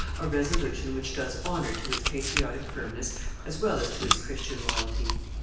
190 194], a resolution which does honor to its patriotic firmness as well as to its Christian loyalty.